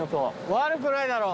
悪くないだろう。